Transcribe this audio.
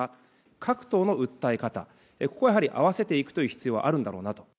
各党の訴え方、ここはやはり合わせていくという必要はあるんだろうなと。